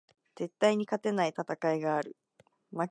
絶対に勝てない戦いがある